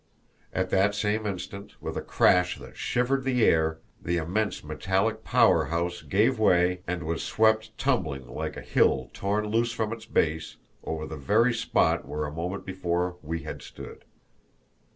At that same instant, with a crash that shivered the air, the immense metallic power house gave way and was swept tumbling, like a hill torn loose from its base, over the very spot where a moment before we had stood.